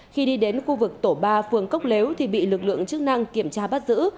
khi đi đến khu vực tổ ba phường cốc lếu thì bị lực lượng chức năng kiểm tra bắt giữ